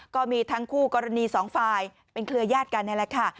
ก็มีทั้งคู่กรณีสองฝ่ายเป็นเครือญาติกันนี่แหละค่ะ